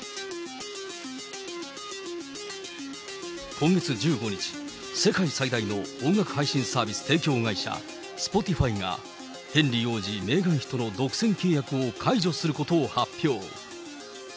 今月１５日、世界最大の音楽配信サービス提供会社、スポティファイがヘンリー王子、メーガン妃との独占契約を解除することを発表。